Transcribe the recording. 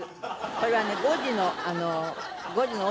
これはね５時の。